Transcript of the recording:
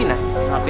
eh ini pesan keren